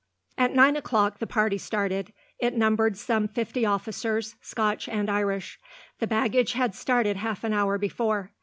At nine o'clock the party started. It numbered some fifty officers, Scotch and Irish. The baggage had started half an hour before.